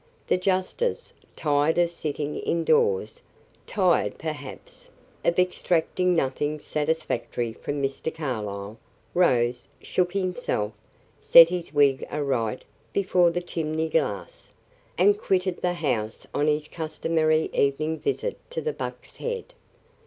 The justice, tired of sitting indoors, tired, perhaps, of extracting nothing satisfactory from Mr. Carlyle, rose, shook himself, set his wig aright before the chimney glass, and quitted the house on his customary evening visit to the Buck's Head.